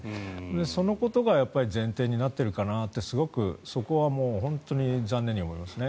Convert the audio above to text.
そのことが前提になっているかなとそこは本当に残念に思いますね。